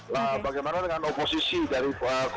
nah bagaimana dengan oposisi dari